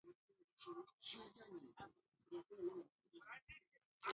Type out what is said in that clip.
Weka ganda la limao kwa ajili ya harufu nzuri kwenye keki ya viazi li